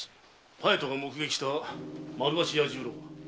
隼人が目撃した丸橋弥十郎は？